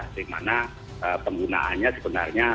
di mana penggunaannya sebenarnya